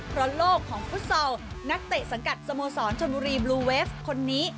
เพราะโลกของฟุตซอลนักเตะสังกัดสโมสรชนบุรีบลูเวฟคนนี้